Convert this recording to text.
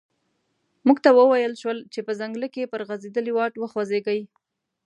موږ ته و ویل شول چې په ځنګله کې پر غزیدلي واټ وخوځیږئ.